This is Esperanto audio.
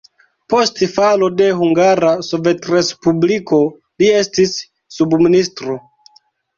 Post falo de Hungara Sovetrespubliko li estis subministro.